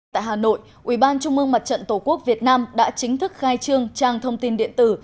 tại hà nội ủy ban trung mương mặt trận tổ quốc việt nam đã chính thức khai trương trang thông tin điện tử